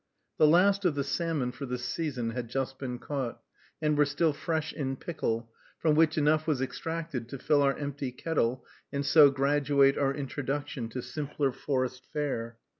The last of the salmon for this season had just been caught, and were still fresh in pickle, from which enough was extracted to fill our empty kettle, and so graduate our introduction to simpler forest fare.